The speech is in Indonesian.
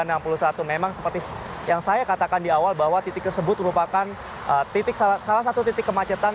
hingga enam puluh satu memang seperti yang saya katakan di awal bahwa titik tersebut merupakan salah satu titik kemacetan